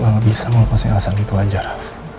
gue gak bisa melepasnya alasan itu aja raff